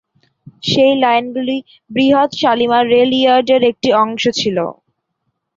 সেই লাইনগুলি বৃহৎ শালিমার রেল ইয়ার্ড-এর একটি অংশ ছিল।